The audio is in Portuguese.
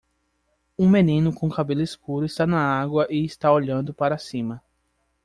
Um menino com cabelo escuro está na água e está olhando para cima.